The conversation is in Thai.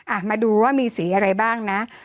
มาดูว่ามีสีอะไรบ้างนะ